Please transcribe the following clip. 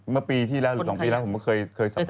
เมื่อปีที่แล้วหรือ๒ปีก่อนผมเกิดสัมภาษณ์กับเข้าเป็นยังไง